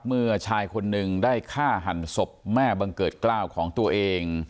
เมื่อชายคนหนึ่งได้ฆ่าหันศพแม่บังเกิดกล้าวของตัวเอง